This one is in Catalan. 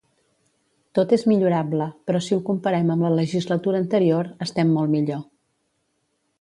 Tot és millorable, però si ho comparem amb la legislatura anterior, estem molt millor.